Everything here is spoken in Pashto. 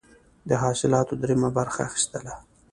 د حاصلاتو دریمه برخه اخیستله.